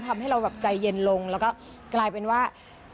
ทำให้เราแบบใจเย็นลงแล้วก็กลายเป็นว่า